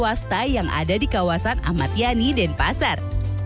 di lembaga pelatihan swasta yang ada di kawasan amatiani dan pasar